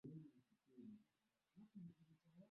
elfu kumi na nane mia tano sitini na tano